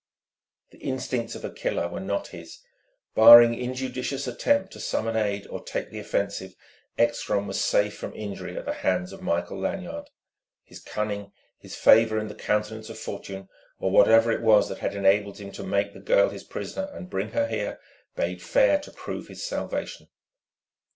The instincts of a killer were not his. Barring injudicious attempt to summon aid or take the offensive, Ekstrom was safe from injury at the hands of Michael Lanyard. His cunning, his favour in the countenance of fortune, or whatever it was that had enabled him to make the girl his prisoner and bring her here, bade fair to prove his salvation.